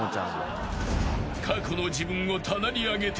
［過去の自分を棚に上げて］